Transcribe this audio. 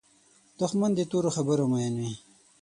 دښمن د تورو خبرو مین وي